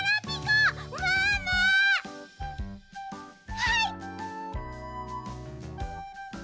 はい！